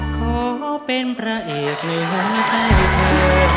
ขอเป็นพระเอกในหัวใจเธอ